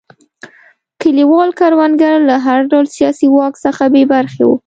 کلیوال کروندګر له هر ډول سیاسي واک څخه بې برخې وو.